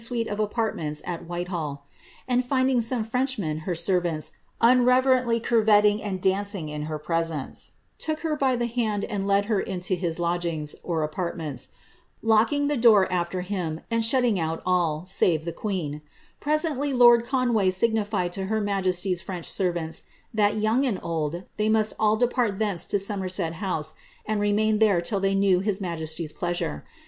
eaiie of apartamitifat WhitehaU), I Sa^Kiig aoBe Frenchnea, her eerrante, tmreveieBtly enrvetthiff and acin Mr piaeence, took her bjthe hand and led her iatp his bc^ « (aparupenta), loeking the door after him, and shutting out all, save queen. Presently lord Conway signified to her majesty's French fanta, that, yonng and old, they must all depart thence to Somerset Msai and remain there till they knew his miyesty's pleasure.